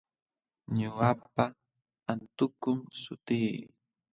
Ñuqapa antukum sutii.